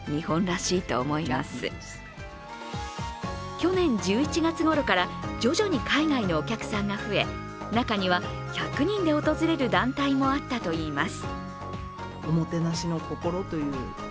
去年１１月ごろから徐々に海外のお客さんが増え、中には１００人で訪れる団体もあったといいます。